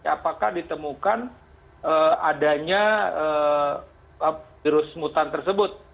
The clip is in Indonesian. apakah ditemukan adanya virus mutan tersebut